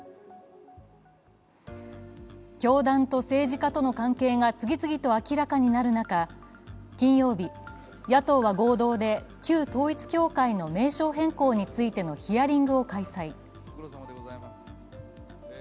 教団と政治家との関係が次々と明らかになる中、金曜日、野党は合同で旧統一教会の名称変更についてのヒアリングを開催。